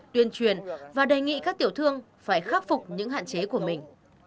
tuyên truyền và đề nghị các tiểu thương phải khắc phục những hạn chế của mình